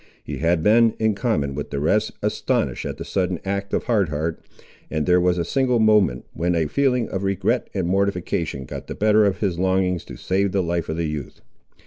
He had been, in common with the rest, astonished at the sudden act of Hard Heart; and there was a single moment when a feeling of regret and mortification got the better of his longings to save the life of the youth.